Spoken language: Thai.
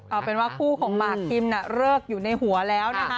เอาเป็นว่าคู่ของหมากคิมเลิกอยู่ในหัวแล้วนะคะ